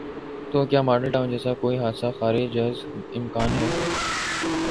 تو کیا ماڈل ٹاؤن جیسا کوئی حادثہ خارج از امکان ہے؟